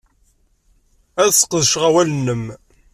Ad sqedceɣ asawal-nwen.